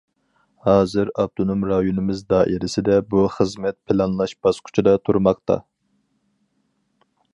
ھازىر ئاپتونوم رايونىمىز دائىرىسىدە بۇ خىزمەت پىلانلاش باسقۇچىدا تۇرماقتا.